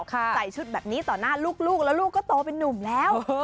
ใส่ชุดแบบนี้ต่อหน้าลูกแล้วลูกก็โตเป็นนุ่มแล้ว